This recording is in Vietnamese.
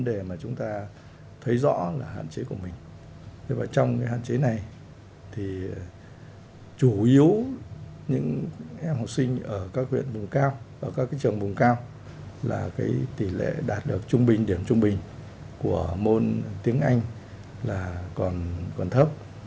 em học sinh ở các huyện vùng cao ở các trường vùng cao là tỷ lệ đạt được điểm trung bình của môn tiếng anh còn thấp